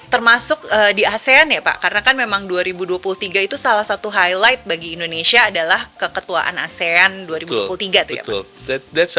termasuk di asean ya pak karena kan memang dua ribu dua puluh tiga itu salah satu highlight bagi indonesia adalah keketuaan asean dua ribu dua puluh tiga tuh ya